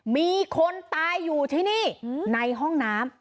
มีคนตายอยู่ที่นี่ในห้องน้ำ